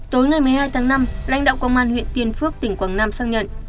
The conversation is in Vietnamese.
tối một mươi hai tháng năm lãnh đạo công an huyện tiền phước tỉnh quảng nam xác nhận